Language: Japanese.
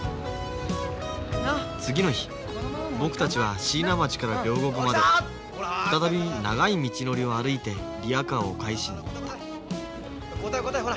次の日僕たちは椎名町から両国まで再び長い道のりを歩いてリヤカーを返しに行った交代交代ほら。